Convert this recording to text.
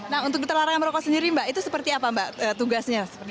nah untuk duta larangan berloko sendiri mbak itu seperti apa mbak tugasnya